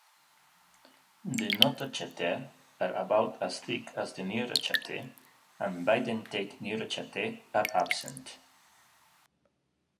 The notochaetae are about as thick as neurochaetae and bidentate neurochaetae are absent.